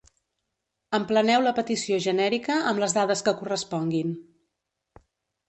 Empleneu la petició genèrica amb les dades que corresponguin.